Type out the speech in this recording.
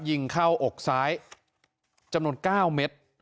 ยิงเข้าอกซ้ายจำนวน๙เมตร